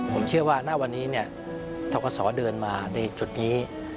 ผมเชื่อว่าหน้าวันนี้เนี่ยทกสเดินมาในจุดนี้